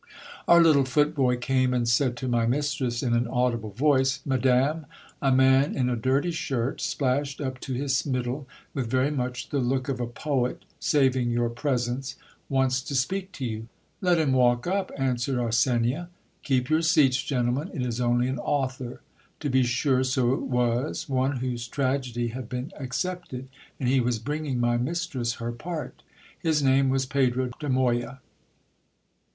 Our little footboy came and said to my mistress in an audible voice Madam, a man in a dirty shirt, splashed up to his middle, with very much the look of a poet, saving your presence, wants to speak to you. Let him walk up, answered Arsenia. Keep your seats, gentlemen, it is only an author. To be sure so it was, one whose tragedy had been accepted, and he was bringing my mistress her part. His name was Pedro de Moya.